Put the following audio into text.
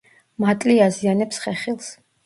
მატლი აზიანებს ხეხილს.